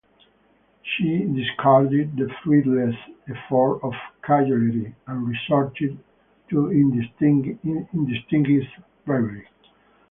She discarded the fruitless effort at cajolery and resorted to undisguised bribery.